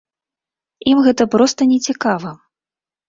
Ім гэта проста не цікава.